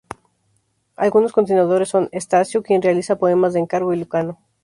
Algunos continuadores son: Estacio, quien realiza poemas de encargo y Lucano.